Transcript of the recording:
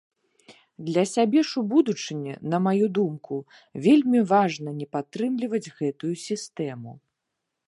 Для сябе ж у будучыні, на маю думку, вельмі важна не падтрымліваць гэтую сістэму.